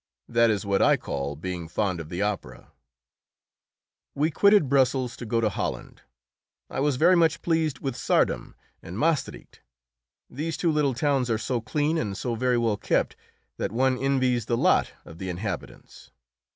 That is what I call being fond of the opera! We quitted Brussels to go to Holland. I was very much pleased with Saardam and Maestricht; these two little towns are so clean and so very well kept that one envies the lot of the inhabitants.